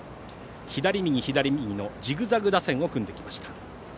左、右、左、右のジグザグ打線を組んできました。